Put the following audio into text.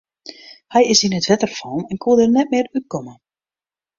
Hy is yn it wetter fallen en koe der net mear út komme.